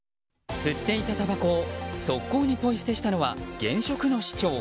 吸っていたたばこを側溝にポイ捨てしたのは現職の市長。